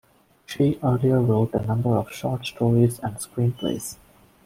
She earlier wrote a number of short stories and screenplays.